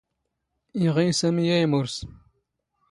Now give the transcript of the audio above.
ⵉⵖⵉⵢ ⵙⴰⵎⵉ ⴰⴷ ⵉⵎⵓⵔⵙ.